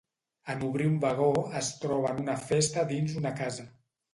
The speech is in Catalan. En obrir un vagó, es troba en una festa dins una casa.